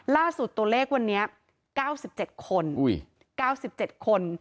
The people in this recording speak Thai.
ล่าสุดตัวเลขวันนี้๙๗คน๙๗คน